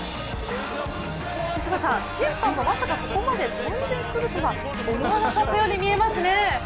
福島さん、審判もまさかここまで飛んでくるとは思わなかったように見えますね。